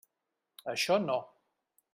Això no.